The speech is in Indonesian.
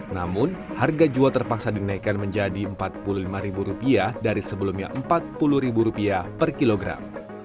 namun harga jual terpaksa dinaikkan menjadi rp empat puluh lima dari sebelumnya rp empat puluh per kilogram